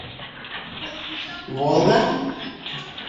«Волга»?